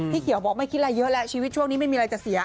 เขียวบอกไม่คิดอะไรเยอะแล้วชีวิตช่วงนี้ไม่มีอะไรจะเสีย